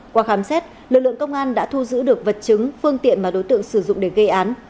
qua khám xét lực lượng công an đã thu giữ được vật chứng phương tiện mà đối tượng sử dụng để gây án